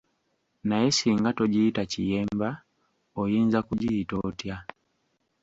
Naye singa togiyita kiyemba, oyinza kugiyita otya?